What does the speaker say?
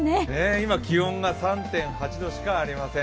今、気温が３．８度しかありません。